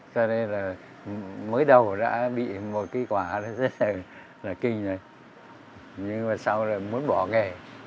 cho nên là mới đầu đã bị một cái quả rất là kinh rồi nhưng mà sau đó là muốn bỏ nghề